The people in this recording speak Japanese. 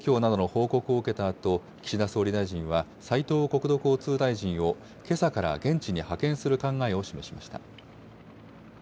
捜索状況などの報告を受けたあと、岸田総理大臣は斉藤国土交通大臣をけさから現地に派遣する考えを示しました。